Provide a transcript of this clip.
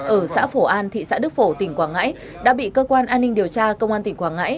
ở xã phổ an thị xã đức phổ tỉnh quảng ngãi đã bị cơ quan an ninh điều tra công an tỉnh quảng ngãi